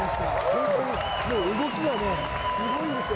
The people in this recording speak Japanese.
本当に動きがね、すごいんですよ